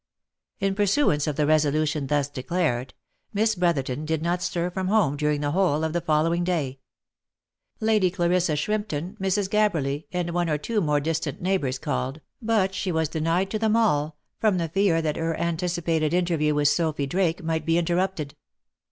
In pursuance of the resolution thus declared, Miss Brotherton did not stir from home during the whole of the following day. Lady Clarissa Shrimpton, Mrs. Gabberly, and one or tw T o more distant neighbours called, but she was denied to them all, from the fear that her anticipated interview with Sophy Drake, might be interrupted.